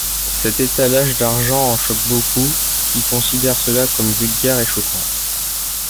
Cet étalage d'argent en choque beaucoup, qui considèrent cela comme vulgaire et choquant.